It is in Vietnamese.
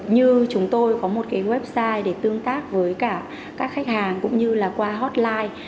như chúng tôi có một cái website để tương tác với cả các khách hàng cũng như là qua hotline